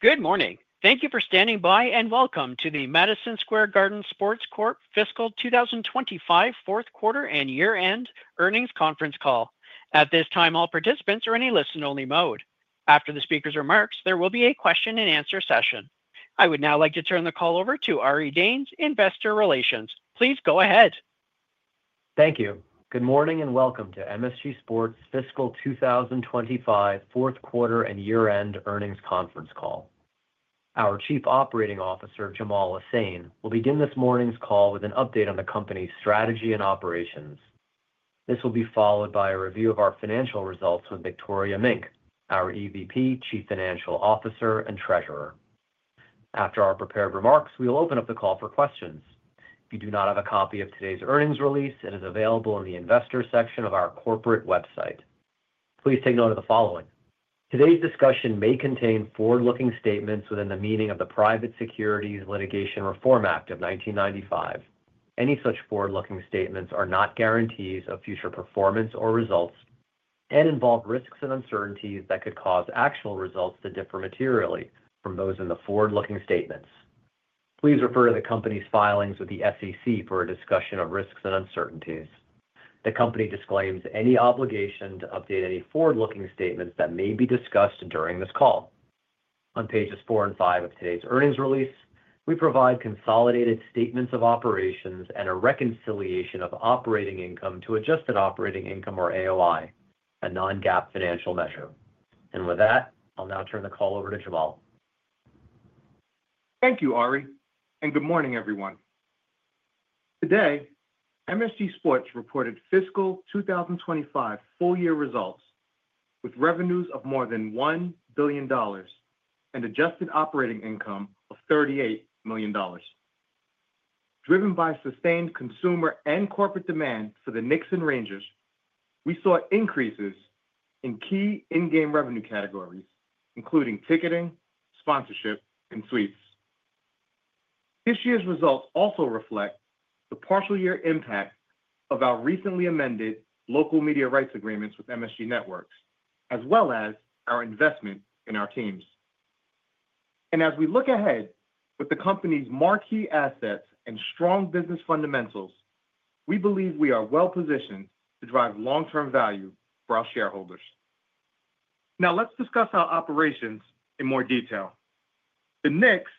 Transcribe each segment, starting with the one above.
Good morning. Thank you for standing by and welcome to the Madison Square Garden Sports Corp. Fiscal 2025 Fourth Quarter and Year-End Earnings Conference Call. At this time, all participants are in a listen-only mode. After the speaker's remarks, there will be a question-and-answer session. I would now like to turn the call over to Ari Danes, Investor Relations. Please go ahead. Thank you. Good morning and welcome to MSG Sports Fiscal 2025 Fourth Quarter and Year-End Earnings Conference Call. Our Chief Operating Officer, Jamaal Lesane, will begin this morning's call with an update on the company's strategy and operations. This will be followed by a review of our financial results with Victoria Mink, our EVP, Chief Financial Officer, and Treasurer. After our prepared remarks, we will open up the call for questions. If you do not have a copy of today's earnings release, it is available in the Investor section of our corporate website. Please take note of the following: Today's discussion may contain forward-looking statements within the meaning of the Private Securities Litigation Reform Act of 1995. Any such forward-looking statements are not guarantees of future performance or results and involve risks and uncertainties that could cause actual results to differ materially from those in the forward-looking statements. Please refer to the company's filings with the SEC for a discussion of risks and uncertainties. The company disclaims any obligation to update any forward-looking statements that may be discussed during this call. On pages 4 and 5 of today's earnings release, we provide consolidated statements of operations and a reconciliation of operating income to adjusted operating income or AOI, a non-GAAP financial measure. With that, I'll now turn the call over to Jamaal. Thank you, Ari, and good morning, everyone. Today, MSG Sports reported fiscal 2025 full-year results with revenues of more than $1 billion and adjusted operating income of $38 million. Driven by sustained consumer and corporate demand for the Knicks and Rangers, we saw increases in key in-game revenue categories, including ticketing, sponsorship, and suites. This year's results also reflect the partial-year impact of our recently amended local media rights agreements with MSG Networks, as well as our investment in our teams. As we look ahead with the company's marquee assets and strong business fundamentals, we believe we are well-positioned to drive long-term value for our shareholders. Now, let's discuss our operations in more detail. The Knicks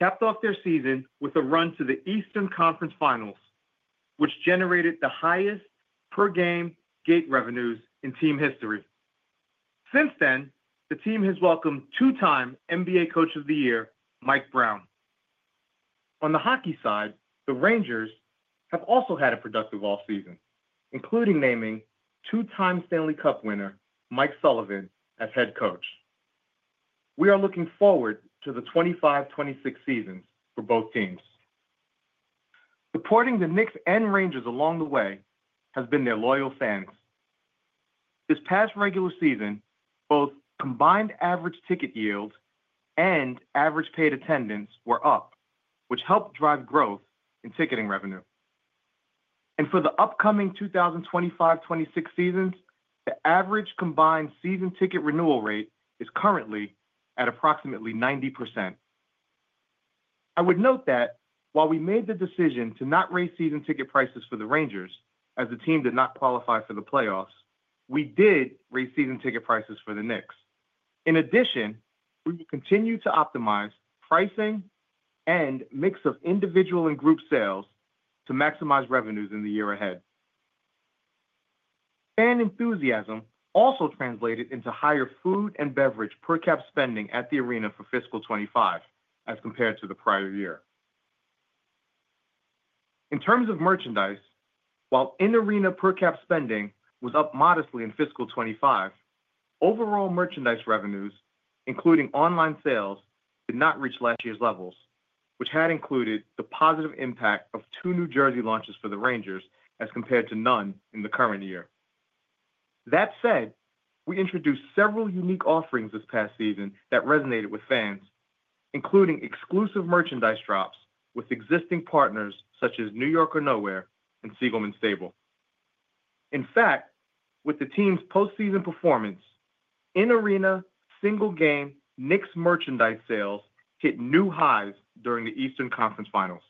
capped off their season with a run to the Eastern Conference Finals, which generated the highest per-game gate revenues in team history. Since then, the team has welcomed two-time NBA Coach of the Year, Mike Brown. On the hockey side, the Rangers have also had a productive offseason, including naming two-time Stanley Cup winner Mike Sullivan as Head Coach. We are looking forward to the 2025-2026 season for both teams. Supporting the Knicks and Rangers along the way has been their loyal fans. This past regular season, both combined average ticket yields and average paid attendance were up, which helped drive growth in ticketing revenue. For the upcoming 2025-2026 seasons, the average combined season ticket renewal rate is currently at approximately 90%. I would note that while we made the decision to not raise season ticket prices for the Rangers, as the team did not qualify for the playoffs, we did raise season ticket prices for the Knicks. In addition, we will continue to optimize pricing and mix of individual and group sales to maximize revenues in the year ahead. Fan enthusiasm also translated into higher food and beverage per-cap spending at the arena for fiscal 2025 as compared to the prior year. In terms of merchandise, while in-arena per-cap spending was up modestly in fiscal 2025, overall merchandise revenues, including online sales, did not reach last year's levels, which had included the positive impact of two New Jersey launches for the Rangers as compared to none in the current year. That said, we introduced several unique offerings this past season that resonated with fans, including exclusive merchandise drops with existing partners such as New York or Nowhere and Siegelman Stable. In fact, with the team's postseason performance, in-arena single-game Knicks merchandise sales hit new highs during the Eastern Conference Finals.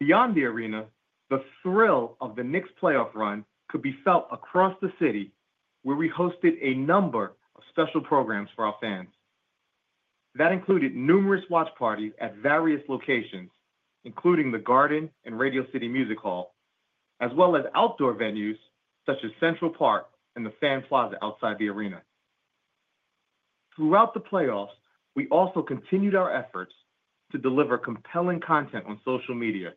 Beyond the arena, the thrill of the Knicks playoff run could be felt across the city where we hosted a number of special programs for our fans. That included numerous watch parties at various locations, including the Garden and Radio City Music Hall, as well as outdoor venues such as Central Park and the Fan Plaza outside the arena. Throughout the playoffs, we also continued our efforts to deliver compelling content on social media,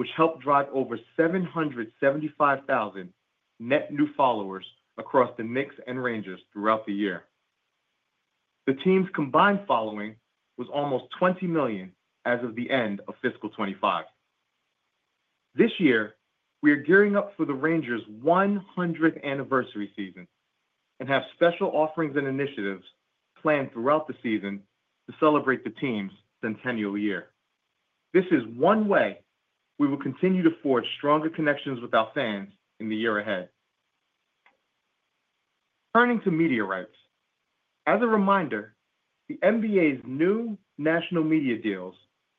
which helped drive over 775,000 net new followers across the Knicks and Rangers throughout the year. The team's combined following was almost 20 million as of the end of fiscal 2025. This year, we are gearing up for the Rangers' 100th anniversary season and have special offerings and initiatives planned throughout the season to celebrate the team's centennial year. This is one way we will continue to forge stronger connections with our fans in the year ahead. Turning to media rights, as a reminder, the NBA's new national media rights deals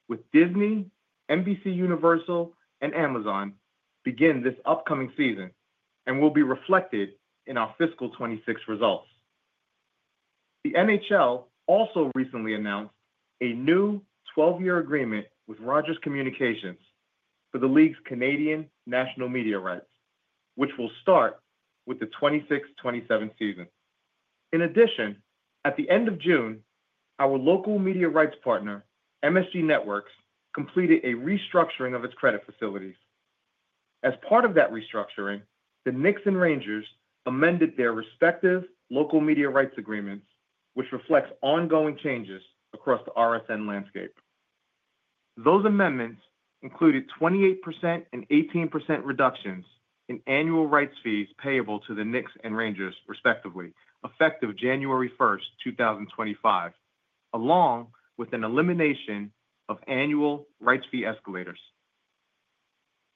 with Disney, NBCUniversal, and Amazon begin this upcoming season and will be reflected in our fiscal 2026 results. The NHL also recently announced a new 12-year agreement with Rogers Communications for the league's Canadian national media rights, which will start with the 2026-2027 season. In addition, at the end of June, our local media rights partner, MSG Networks, completed a restructuring of its credit facilities. As part of that restructuring, the Knicks and Rangers amended their respective local media rights agreements, which reflect ongoing changes across the RSN landscape. Those amendments included 28% and 18% reductions in annual rights fees payable to the Knicks and Rangers, respectively, effective January 1st, 2025, along with an elimination of annual rights fee escalators.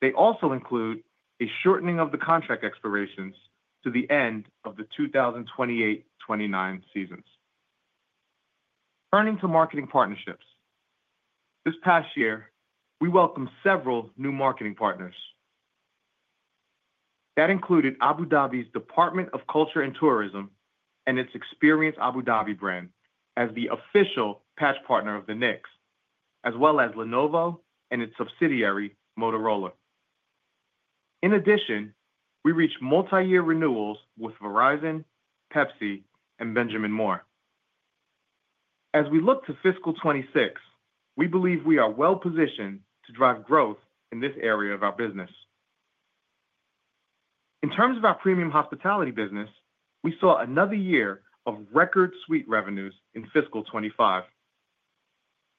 They also include a shortening of the contract expirations to the end of the 2028-2029 seasons. Turning to marketing partnerships, this past year, we welcomed several new marketing partners. That included Abu Dhabi's Department of Culture and Tourism and its Experience Abu Dhabi brand as the official patch partner of the Knicks, as well as Lenovo and its subsidiary Motorola. In addition, we reached multi-year renewals with Verizon, Pepsi, and Benjamin Moore. As we look to fiscal 2026, we believe we are well-positioned to drive growth in this area of our business. In terms of our premium hospitality business, we saw another year of record suite revenues in fiscal 2025.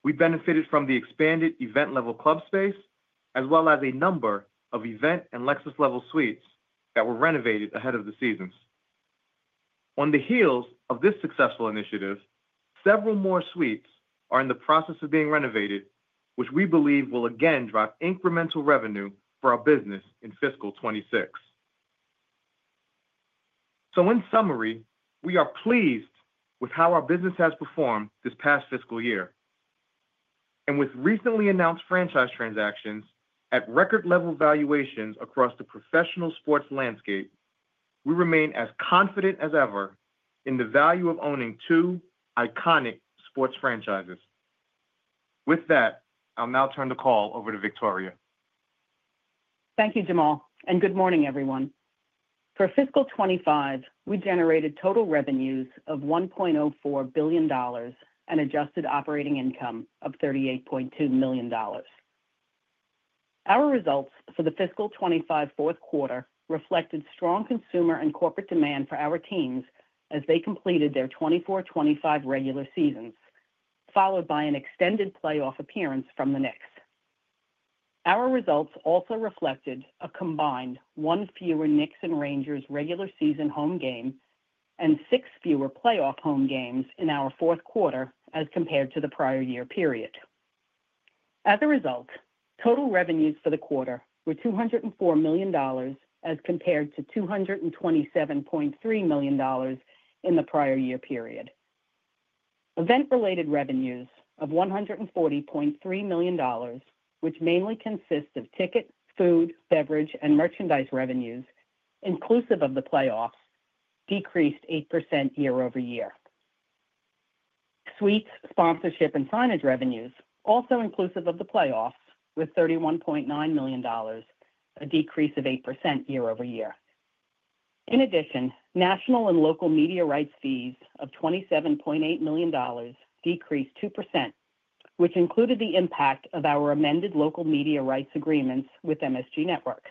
We benefited from the expanded event-level club space, as well as a number of event and Lexus-level suites that were renovated ahead of the seasons. On the heels of this successful initiative, several more suites are in the process of being renovated, which we believe will again drive incremental revenue for our business in fiscal 2026. In summary, we are pleased with how our business has performed this past fiscal year. With recently announced franchise transactions at record-level valuations across the professional sports landscape, we remain as confident as ever in the value of owning two iconic sports franchises. With that, I'll now turn the call over to Victoria. Thank you, Jamaal, and good morning, everyone. For fiscal 2025, we generated total revenues of $1.04 billion and adjusted operating income of $38.2 million. Our results for the fiscal 2025 fourth quarter reflected strong consumer and corporate demand for our teams as they completed their 2024-2025 regular seasons, followed by an extended playoff appearance from the Knicks. Our results also reflected a combined one fewer Knicks and Rangers regular season home game and six fewer playoff home games in our fourth quarter as compared to the prior year period. As a result, total revenues for the quarter were $204 million as compared to $227.3 million in the prior year period. Event-related revenues of $140.3 million, which mainly consist of ticket, food, beverage, and merchandise revenues, inclusive of the playoffs, decreased 8% year-over-year. Suites, sponsorship, and signage revenues, also inclusive of the playoffs, were $31.9 million, a decrease of 8% year-over-year. In addition, national and local media rights fees of $27.8 million decreased 2%, which included the impact of our amended local media rights agreements with MSG Networks.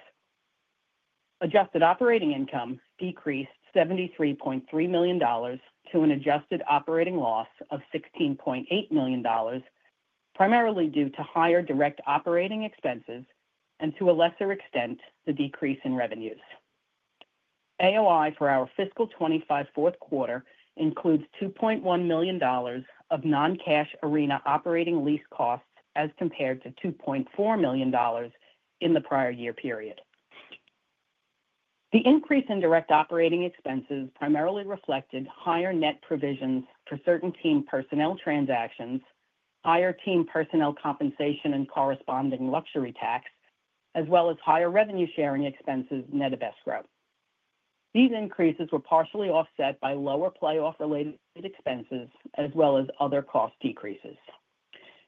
Adjusted operating income decreased $73.3 million to an adjusted operating loss of $16.8 million, primarily due to higher direct operating expenses and, to a lesser extent, the decrease in revenues. AOI for our fiscal 2025 fourth quarter includes $2.1 million of non-cash arena operating lease costs as compared to $2.4 million in the prior year period. The increase in direct operating expenses primarily reflected higher net provisions for certain team personnel transactions, higher team personnel compensation, and corresponding luxury tax, as well as higher revenue sharing expenses net of escrow. These increases were partially offset by lower playoff-related expenses, as well as other cost decreases.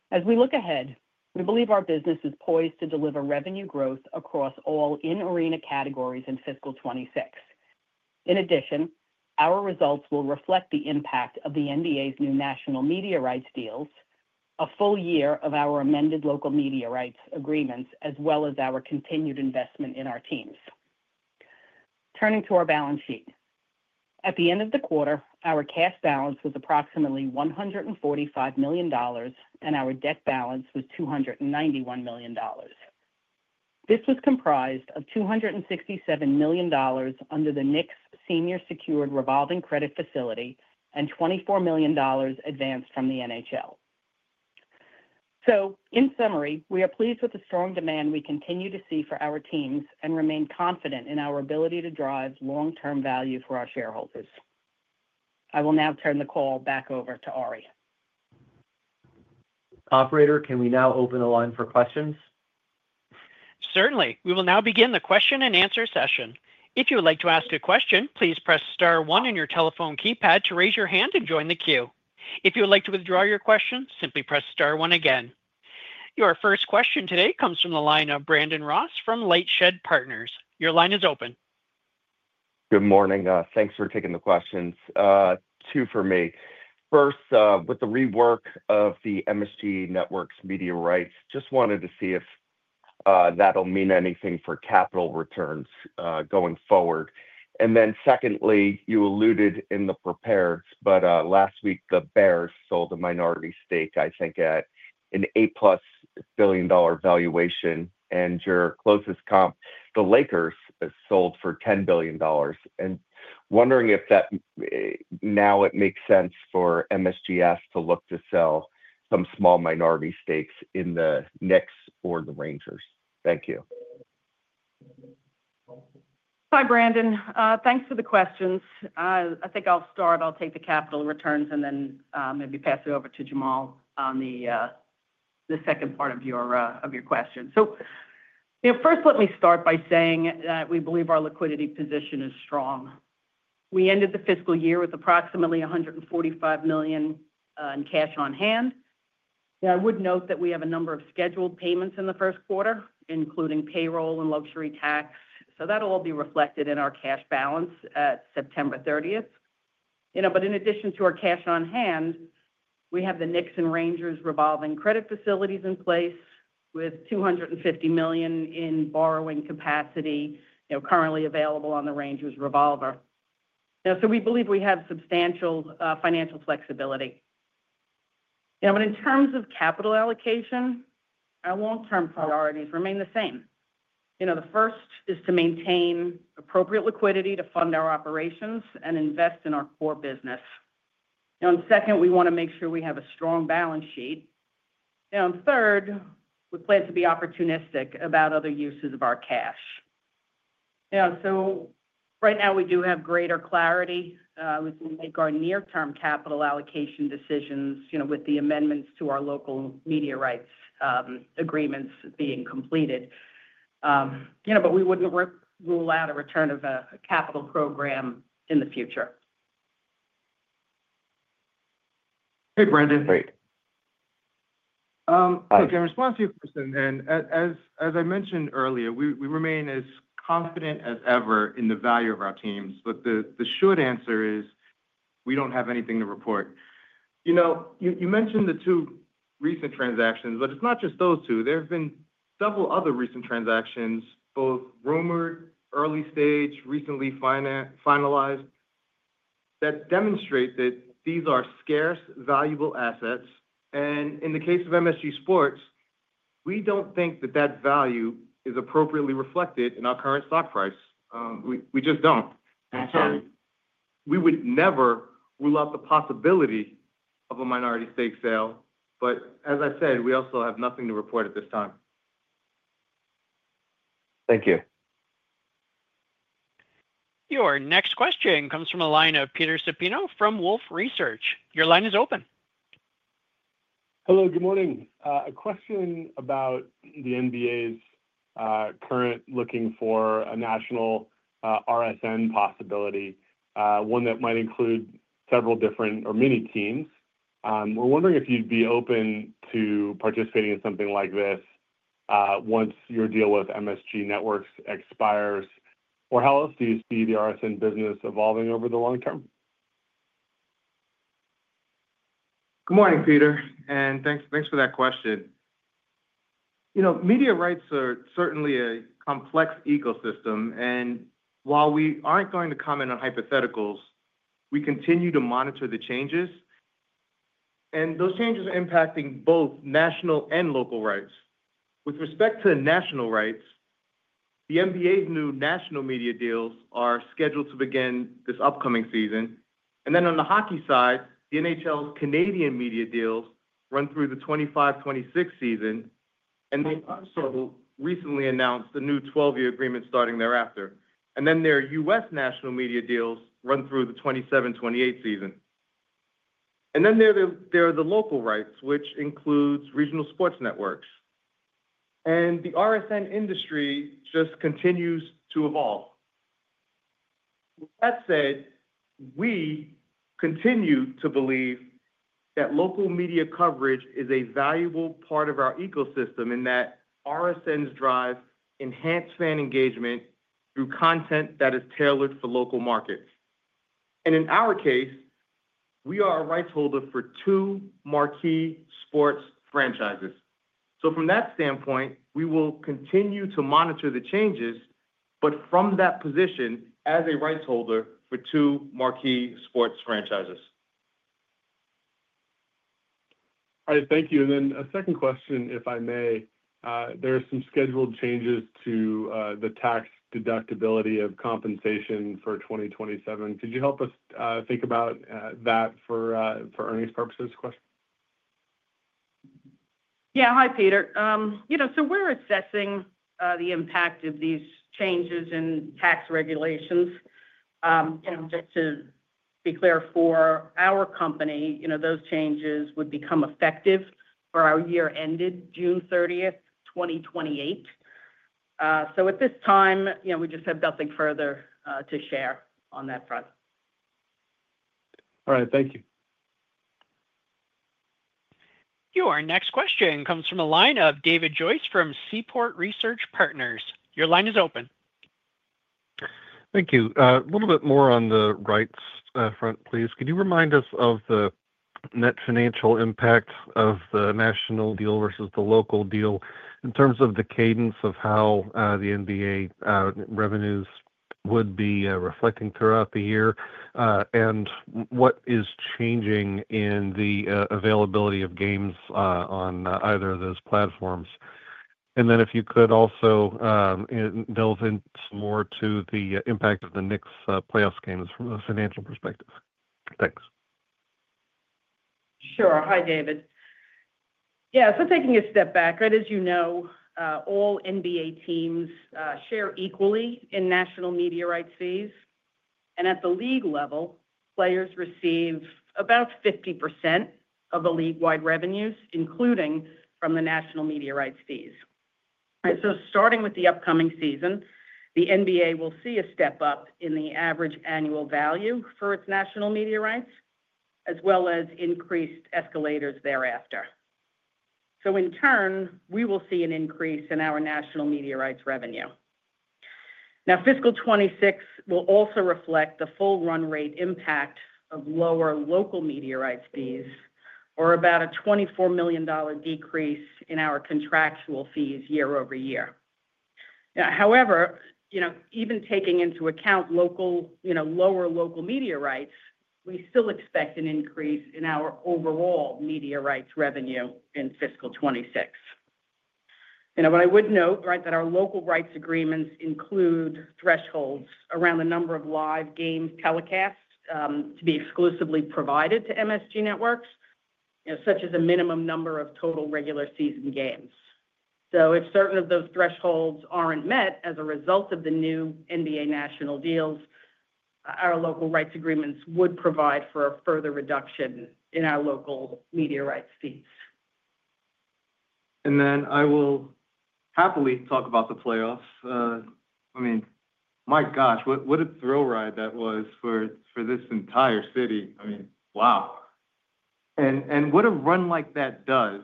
As we look ahead, we believe our business is poised to deliver revenue growth across all in-arena categories in fiscal 2026. In addition, our results will reflect the impact of the NBA's new national media rights deals, a full year of our amended local media rights agreements, as well as our continued investment in our teams. Turning to our balance sheet, at the end of the quarter, our cash balance was approximately $145 million and our debt balance was $291 million. This was comprised of $267 million under the Knicks' senior-secured revolving credit facility and $24 million advanced from the NHL. In summary, we are pleased with the strong demand we continue to see for our teams and remain confident in our ability to drive long-term value for our shareholders. I will now turn the call back over to Ari. Operator, can we now open the line for questions? Certainly. We will now begin the question-and-answer session. If you would like to ask a question, please press star one on your telephone keypad to raise your hand and join the queue. If you would like to withdraw your question, simply press star one again. Your first question today comes from the line of Brandon Ross from LightShed Partners. Your line is open. Good morning. Thanks for taking the questions. Two for me. First, with the rework of the MSG Networks media rights, just wanted to see if that'll mean anything for capital returns going forward. Secondly, you alluded in the prepared, but last week the Bears sold a minority stake, I think, at an $8+ billion valuation. Your closest comp, the Lakers, sold for $10 billion. Wondering if that now makes sense for MSGS to look to sell some small minority stakes in the Knicks or the Rangers. Thank you. Hi, Brandon. Thanks for the questions. I think I'll start. I'll take the capital returns and then maybe pass it over to Jamaal on the second part of your question. First, let me start by saying that we believe our liquidity position is strong. We ended the fiscal year with approximately $145 million in cash on hand. I would note that we have a number of scheduled payments in the first quarter, including payroll and luxury tax. That'll all be reflected in our cash balance at September 30th. In addition to our cash on hand, we have the Knicks and Rangers revolving credit facilities in place with $250 million in borrowing capacity currently available on the Rangers revolver. We believe we have substantial financial flexibility. In terms of capital allocation, our long-term priorities remain the same. The first is to maintain appropriate liquidity to fund our operations and invest in our core business. Second, we want to make sure we have a strong balance sheet. Third, we plan to be opportunistic about other uses of our cash. Right now we do have greater clarity with our near-term capital allocation decisions with the amendments to our local media rights agreements being completed. We wouldn't rule out a return of a capital program in the future. Hey, Brandon. Right. Can I respond to your question? As I mentioned earlier, we remain as confident as ever in the value of our teams. The short answer is we don't have anything to report. You mentioned the two recent transactions, but it's not just those two. There have been several other recent transactions, both rumored, early-stage, recently finalized, that demonstrate that these are scarce, valuable assets. In the case of MSG Sports, we don't think that value is appropriately reflected in our current stock price. We just don't. We would never rule out the possibility of a minority stake sale. As I said, we also have nothing to report at this time. Thank you. Your next question comes from a line of Peter Supino from Wolfe Research. Your line is open. Hello, good morning. A question about the NBA's current looking for a national RSN possibility, one that might include several different or many teams. We're wondering if you'd be open to participating in something like this once your deal with MSG Networks expires. How else do you see the RSN business evolving over the long term? Good morning, Peter, and thanks for that question. Media rights are certainly a complex ecosystem. While we aren't going to comment on hypotheticals, we continue to monitor the changes. Those changes are impacting both national and local rights. With respect to national rights, the NBA's new national media deals are scheduled to begin this upcoming season. On the hockey side, the NHL's Canadian media deals run through the 2025-2026 season. They also recently announced the new 12-year agreement starting thereafter. Their U.S. national media deals run through the 2027-2028 season. There are the local rights, which include regional sports networks. The RSN industry just continues to evolve. That said, we continue to believe that local media coverage is a valuable part of our ecosystem in that RSNs drive enhanced fan engagement through content that is tailored for local markets. In our case, we are a rights holder for two marquee sports franchises. From that standpoint, we will continue to monitor the changes, but from that position as a rights holder for two marquee sports franchises. All right, thank you. A second question, if I may. There are some scheduled changes to the tax deductibility of compensation for 2027. Could you help us think about that for earnings purposes? Yeah, hi, Peter. We're assessing the impact of these changes in tax regulations. Just to be clear, for our company, those changes would become effective for our year ended June 30th, 2028. At this time, we just have nothing further to share on that front. All right, thank you. Your next question comes from a line of David Joyce from Seaport Research Partners. Your line is open. Thank you. A little bit more on the rights front, please. Could you remind us of the net financial impact of the national deal versus the local deal in terms of the cadence of how the NBA revenues would be reflecting throughout the year, and what is changing in the availability of games on either of those platforms? If you could also delve in some more to the impact of the Knicks' playoff games from a financial perspective. Thanks. Sure. Hi, David. Yeah, so taking a step back, as you know, all NBA teams share equally in national media rights fees. At the league level, players receive about 50% of the league-wide revenues, including from the national media rights fees. Starting with the upcoming season, the NBA will see a step up in the average annual value for its national media rights, as well as increased escalators thereafter. In turn, we will see an increase in our national media rights revenue. Fiscal 2026 will also reflect the full run rate impact of lower local media rights fees, or about a $24 million decrease in our contractual fees year-over-year. However, even taking into account lower local media rights, we still expect an increase in our overall media rights revenue in fiscal 2026. I would note that our local rights agreements include thresholds around the number of live game telecasts to be exclusively provided to MSG Networks, such as a minimum number of total regular season games. If certain of those thresholds aren't met as a result of the new NBA national deals, our local rights agreements would provide for a further reduction in our local media rights fees. I will happily talk about the playoffs. My gosh, what a thrill ride that was for this entire city. Wow. What a run like that does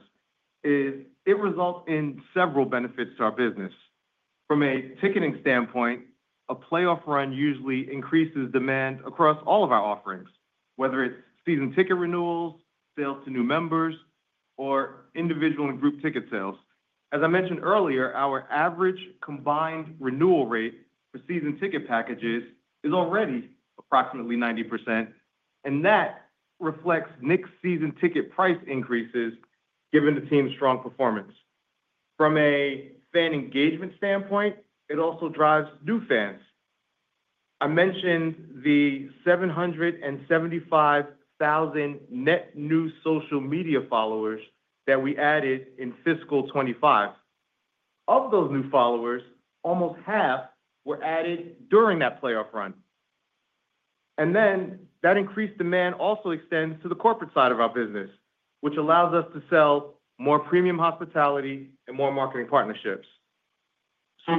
is it results in several benefits to our business. From a ticketing standpoint, a playoff run usually increases demand across all of our offerings, whether it's season ticket renewals, sales to new members, or individual and group ticket sales. As I mentioned earlier, our average combined renewal rate for season ticket packages is already approximately 90%. That reflects Knicks' season ticket price increases given the team's strong performance. From a fan engagement standpoint, it also drives new fans. I mentioned the 775,000 net new social media followers that we added in fiscal 2025. Of those new followers, almost half were added during that playoff run. That increased demand also extends to the corporate side of our business, which allows us to sell more premium hospitality and more marketing partnerships.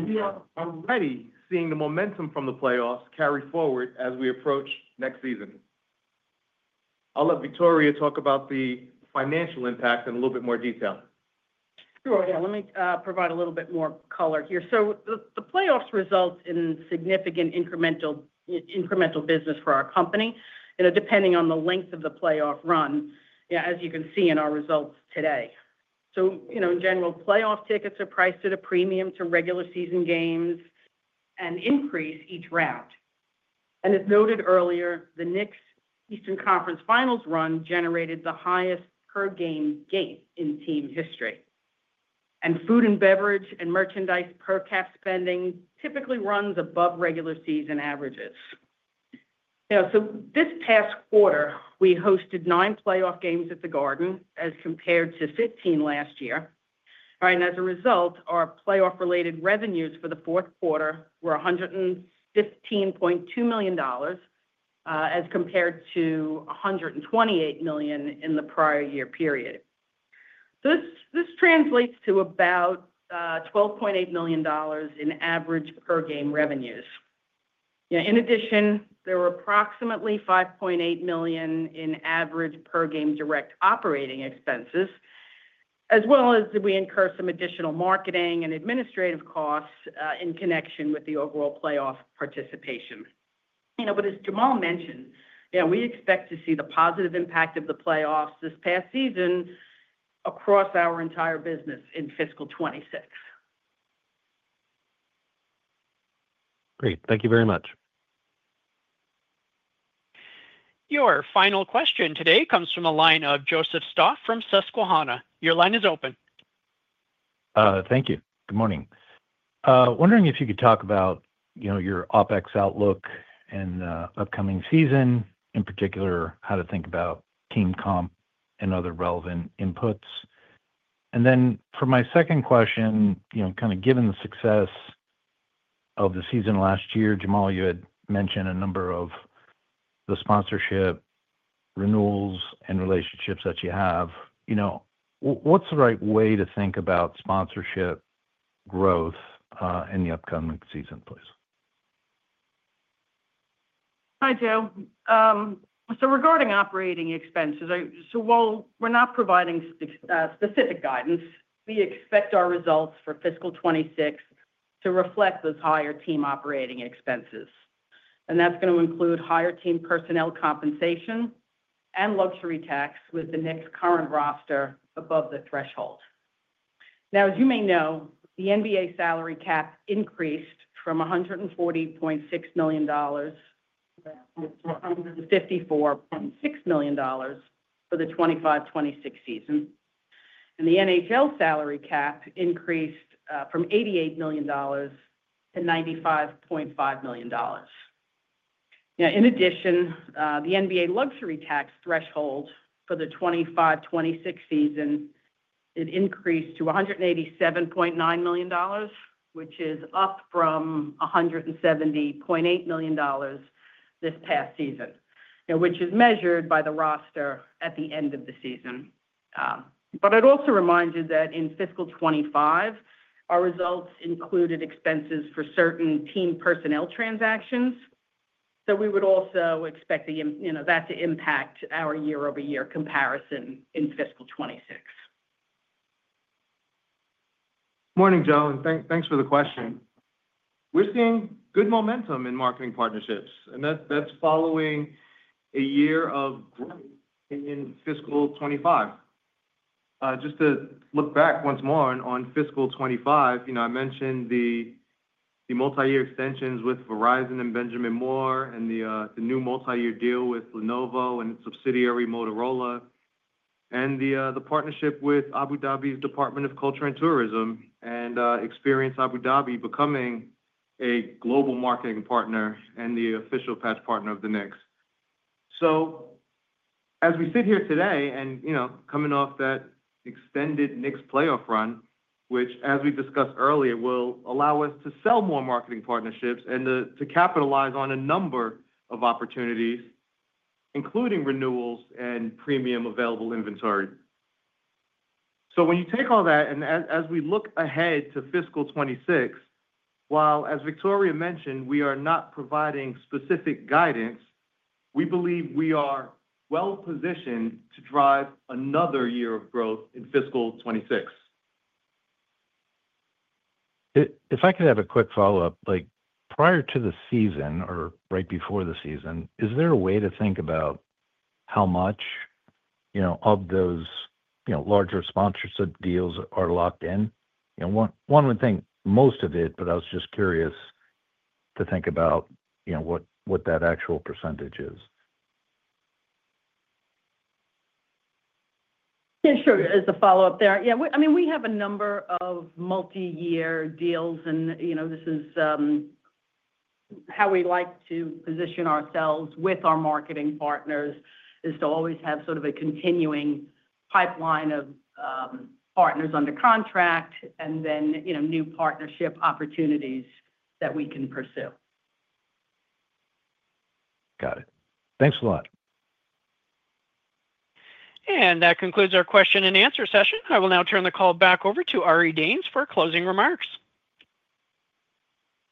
We are already seeing the momentum from the playoffs carry forward as we approach next season. I'll let Victoria talk about the financial impact in a little bit more detail. Sure, yeah, let me provide a little bit more color here. The playoffs result in significant incremental business for our company, depending on the length of the playoff run, as you can see in our results today. In general, playoff tickets are priced at a premium to regular season games and increase each round. As noted earlier, the Knicks' Eastern Conference Finals run generated the highest per-game gate in team history. Food and beverage and merchandise per-cap spending typically runs above regular season averages. This past quarter, we hosted nine playoff games at the Garden as compared to 15 last year. As a result, our playoff-related revenues for the fourth quarter were $115.2 million as compared to $128 million in the prior year period. This translates to about $12.8 million in average per-game revenues. In addition, there were approximately $5.8 million in average per-game direct operating expenses, as well as we incur some additional marketing and administrative costs in connection with the overall playoff participation. As Jamaal mentioned, we expect to see the positive impact of the playoffs this past season across our entire business in fiscal 2026. Great, thank you very much. Your final question today comes from a line of Joseph Stauff from Susquehanna. Your line is open. Thank you. Good morning. Wondering if you could talk about, you know, your OpEx outlook in the upcoming season, in particular how to think about team comp and other relevant inputs. For my second question, you know, kind of given the success of the season last year, Jamaal, you had mentioned a number of the sponsorship renewals and relationships that you have. What's the right way to think about sponsorship growth in the upcoming season, please? Hi, Joe. Regarding operating expenses, while we're not providing specific guidance, we expect our results for fiscal 2026 to reflect those higher team operating expenses. That's going to include higher team personnel compensation and luxury tax with the Knicks' current roster above the threshold. As you may know, the NBA salary cap increased from $140.6 million to $154.6 million for the 2025-2026 season, and the NHL salary cap increased from $88 million to $95.5 million. In addition, the NBA luxury tax threshold for the 2025-2026 season increased to $187.9 million, which is up from $170.8 million this past season, which is measured by the roster at the end of the season. I'd also remind you that in fiscal 2025, our results included expenses for certain team personnel transactions. We would also expect that to impact our year-over-year comparison in fiscal 2026. Morning, Joe, and thanks for the question. We're seeing good momentum in marketing partnerships, and that's following a year of growth in fiscal 2025. Just to look back once more on fiscal 2025, I mentioned the multi-year extensions with Verizon and Benjamin Moore, and the new multi-year deal with Lenovo and its subsidiary Motorola, and the partnership with Abu Dhabi's Department of Culture and Tourism, and Experience Abu Dhabi becoming a global marketing partner and the official patch partner of the Knicks. As we sit here today, coming off that extended Knicks playoff run, which as we discussed earlier, will allow us to sell more marketing partnerships and to capitalize on a number of opportunities, including renewals and premium available inventory. When you take all that, and as we look ahead to fiscal 2026, while as Victoria mentioned, we are not providing specific guidance, we believe we are well-positioned to drive another year of growth in fiscal 2026. If I could have a quick follow-up, like prior to the season or right before the season, is there a way to think about how much of those larger sponsorship deals are locked in? One would think most of it, but I was just curious to think about what that actual percentage is. Yeah, sure, as a follow-up there. I mean, we have a number of multi-year deals, and this is how we like to position ourselves with our marketing partners, to always have sort of a continuing pipeline of partners under contract and then new partnership opportunities that we can pursue. Got it. Thanks a lot. That concludes our question-and-answer session. I will now turn the call back over to Ari Danes for closing remarks.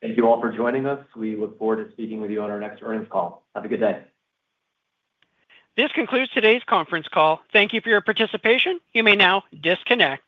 Thank you all for joining us. We look forward to speaking with you on our next earnings call. Have a good day. This concludes today's conference call. Thank you for your participation. You may now disconnect.